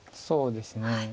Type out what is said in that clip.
そうですね。